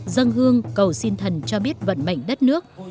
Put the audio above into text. dân hương cầu xin thần cho biết vận mệnh đất nước